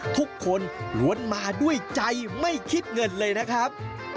ทุกคนล้วนมาด้วยใจไม่คิดเงินเลยนะครับ